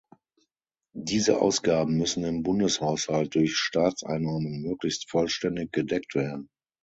Diese Ausgaben müssen im Bundeshaushalt durch Staatseinnahmen möglichst vollständig gedeckt werden.